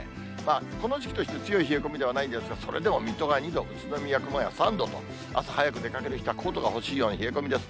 この時期として強い冷え込みではないんですが、それでも水戸が２度、宇都宮、熊谷３度と、朝早く出かける人はコートが欲しいような冷え込みです。